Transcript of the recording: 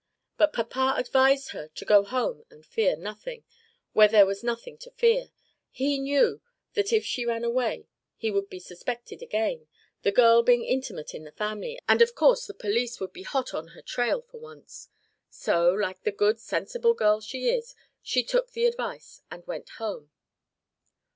But Papa advised her to go home and fear nothing, where there was nothing to fear. He knew that if she ran away, he would be suspected again, the girl being intimate in the family; and of course the police would be hot on her trail at once. So, like the good sensible girl she is, she took the advice and went home."